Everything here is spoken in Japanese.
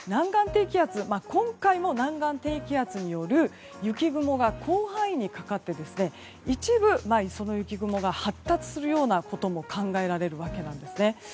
今回も南岸低気圧による雪雲が広範囲にかかって一部、その雪雲が発達するようなことも考えられる訳です。